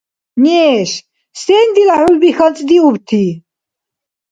– Неш, сен дила хӀулби хьанцӀдиубти?